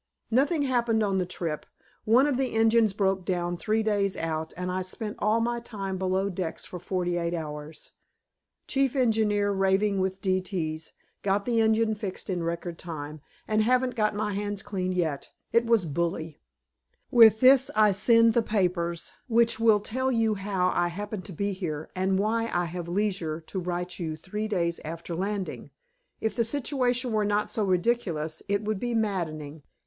Nothing happened on the trip. One of the engines broke down three days out, and I spent all my time below decks for forty eight hours. Chief engineer raving with D.T.'s. Got the engine fixed in record time, and haven't got my hands clean yet. It was bully. With this I send the papers, which will tell you how I happen to be here, and why I have leisure to write you three days after landing. If the situation were not so ridiculous, it would be maddening.